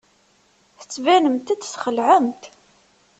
Tettbanemt-d txelɛemt.